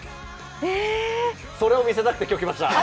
それを見せたくて今日、来ました。